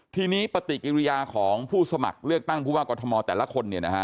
ทีนี้ปฏิกิริยาของผู้สมัครเลือกตั้งผู้ว่ากรทมแต่ละคน